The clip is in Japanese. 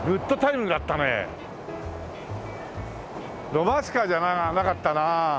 ロマンスカーじゃなかったな。